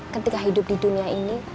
ketika hidup di dunia ini